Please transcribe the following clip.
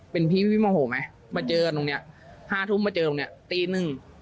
เป็นพี่มห่วงไหมมาเจอกันตรงนี้๕ทุ่มมาเจอกันตรงนี้ตีหนึ่ง